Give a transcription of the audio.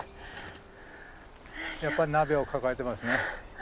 やっぱり鍋を抱えてますね。